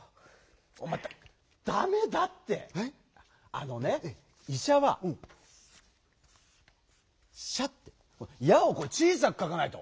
あのね「いしゃ」は「しゃ」って「や」をちいさくかかないと！